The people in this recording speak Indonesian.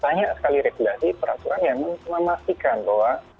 banyak sekali regulasi peraturan yang memastikan bahwa